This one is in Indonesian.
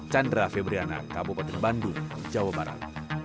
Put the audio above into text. chandra febriana kabupaten bandung jawa barat